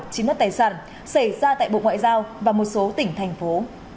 chiếm mất tài sản xảy ra tại bộ ngoại giao và một số tỉnh thành phố